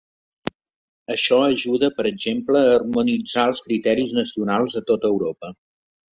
Això ajuda, per exemple, a harmonitzar els criteris nacionals a tot Europa.